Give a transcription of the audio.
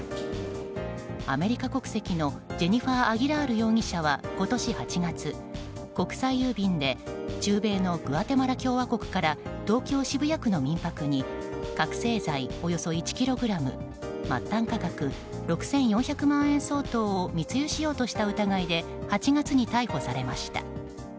アメリカ国籍のジェニファー・アギラール容疑者は今年８月、国際郵便で中米のグアテマラ共和国から東京・渋谷区の民泊に覚醒剤およそ１ｋｇ末端価格６４００万円相当を密輸しようとした疑いで８月に逮捕されました。